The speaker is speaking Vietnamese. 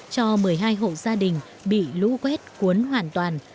cho một mươi hai hộ gia đình bị lũ quét cuốn hoàn toàn